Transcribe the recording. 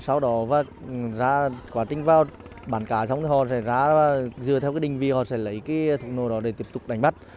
sau đó quá trình vào bản cá xong thì họ sẽ ra và dựa theo đình vì họ sẽ lấy thủ nổ đó để tiếp tục đánh bắt